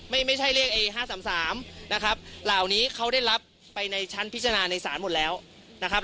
ไม่ใช่เลข๕๓๓นะครับเหล่านี้เขาได้รับไปในชั้นพิจารณาในศาลหมดแล้วนะครับ